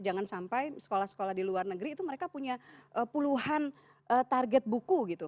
jangan sampai sekolah sekolah di luar negeri itu mereka punya puluhan target buku gitu